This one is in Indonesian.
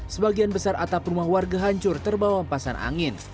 sebagian besar atap rumah warga hancur terbawa empasan angin